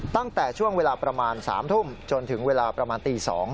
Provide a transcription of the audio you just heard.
ตั้งแต่ช่วงเวลาประมาณ๓ทุ่มจนถึงเวลาประมาณตี๒